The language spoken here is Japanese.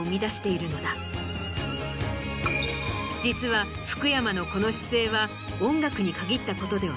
実は福山のこの姿勢は。